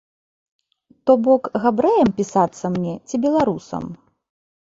То бок габрэем пісацца мне ці беларусам.